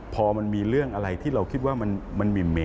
พอมันมีเรื่องอะไรที่เราคิดว่ามันหิมเม